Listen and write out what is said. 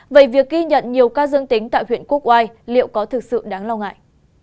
vậy việc ghi nhận nhiều ca dương tính tại huyện quốc oai liệu có thực sự đáng lo ngại